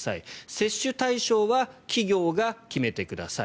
接種対象は企業が決めてください。